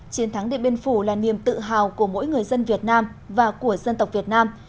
chiến thắng điện biên phủ là niềm tự hào của mỗi người dân việt nam và của dân tộc việt nam